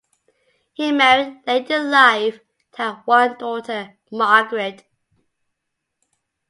He married late in life and had one daughter, Margaret.